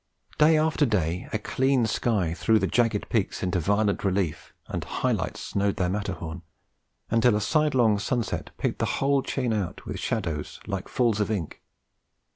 Day after day a clean sky threw the jagged peaks into violent relief, and high lights snowed their Matterhorn, until a sidelong sunset picked the whole chain out with shadows like falls of ink.